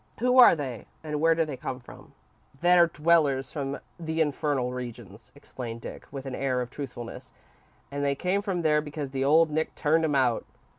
"Who are they and where do they come from?" "They're dwellers from the infernal regions," explained Dick, with an air of truthfulness, "and they came from there because the old Nick turned 'em out.